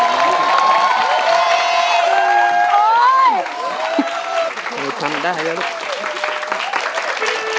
ยังไม่มีให้รักยังไม่มี